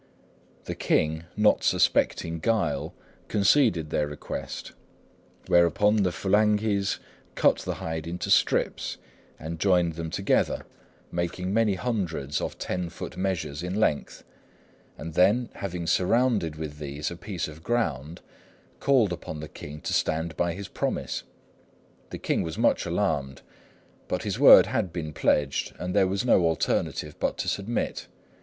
The king, not suspecting guile, conceded their request, whereupon the Fulanghis cut the hide into strips and joined them together, making many hundreds of ten foot measures in length; and then, having surrounded with these a piece of ground, called upon the king to stand by his promise. The king was much alarmed; but his word had been pledged, and there was no alternative but to submit.